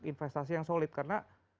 investasi yang solid karena